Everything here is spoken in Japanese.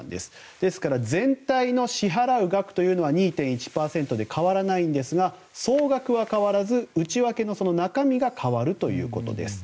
ですから、全体の支払う額というのは２．１％で変わらないんですが総額は変わらず内訳の中身が変わるということです。